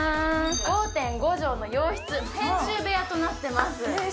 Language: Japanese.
５．５畳の洋室編集部屋となってますえ